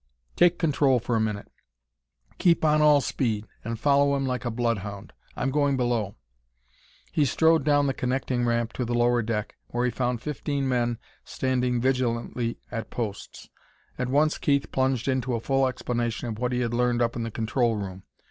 "Take control for a minute. Keep on all speed, and follow 'em like a bloodhound. I'm going below." He strode down the connecting ramp to the lower deck, where he found fifteen men standing vigilantly at posts. At once Keith plunged into a full explanation of what he had learned up in the control room.